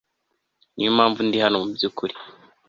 niyo mpamvu ndi hano, mubyukuri